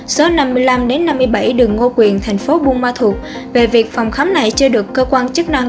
số năm mươi năm năm mươi bảy đường ngô quyền thành phố buôn ma thuột về việc phòng khám này chưa được cơ quan chức năng